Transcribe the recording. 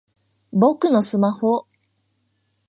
僕のスマホぉぉぉ！